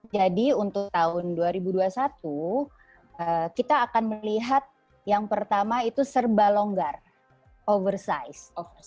jadi untuk tahun dua ribu dua puluh satu kita akan melihat yang pertama itu serba longgar oversize